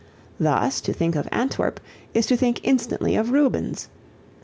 Thus, to think of Antwerp is to think instantly of Rubens.